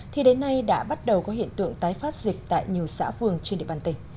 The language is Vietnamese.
thì đến nay đã bắt đầu có hiện tượng tái phát dịch tại nhiều xã phường trên địa bàn tỉnh